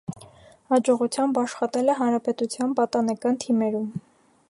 Հաջողությամբ աշխատել է հանրապետության պատանեկան թիմերում։